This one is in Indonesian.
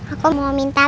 aku mau minta